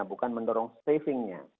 bukan mendorong savingnya